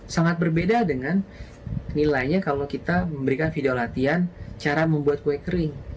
sangat berbeda dengan nilainya kalau kita memberikan video latihan cara membuat kue kering